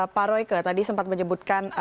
pak royke tadi sempat menyebutkan